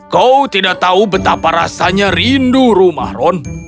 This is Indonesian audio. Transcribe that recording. kau tidak tahu betapa rasanya rindu rumah ron